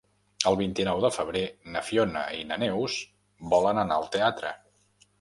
El vint-i-nou de febrer na Fiona i na Neus volen anar al teatre.